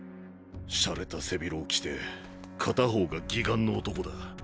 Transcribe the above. しゃれた背広を着て片方が義眼の男だ。